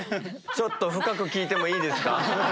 ちょっと深く聞いてもいいですか？